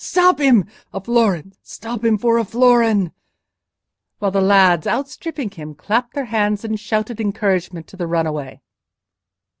stop him! for a powder—a florin—stop him for a florin!" while the lads, outstripping him, clapped their hands and shouted encouragement to the runaway.